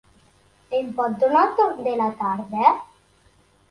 Em pot donar el torn de la tarda?